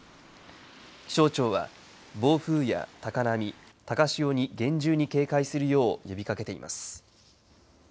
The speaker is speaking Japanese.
気象庁は暴風や高波高潮に厳重に警戒するよう呼びかけています。